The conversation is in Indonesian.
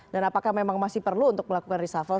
dan apakah memang masih perlu untuk melakukan reshuffle